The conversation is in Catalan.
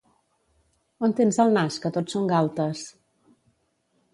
On tens el nas, que tot són galtes?